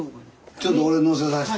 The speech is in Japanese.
ちょっと俺のせさして。